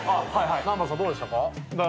南原さんどうでしたか？